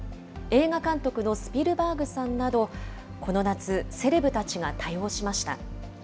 映画監督のスピルバーグさんなど、この夏、セレブ達が多用しました。